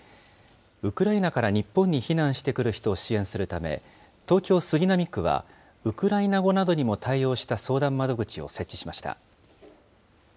ウクライナから日本に避難してくる人を支援するため、東京・杉並区はウクライナ語などにも対応した相談窓口を設置しました。